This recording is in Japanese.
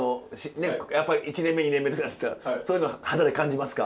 やっぱり１年目２年目ってそういうの肌で感じますか？